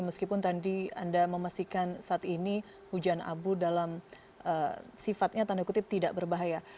meskipun tadi anda memastikan saat ini hujan abu dalam sifatnya tanda kutip tidak berbahaya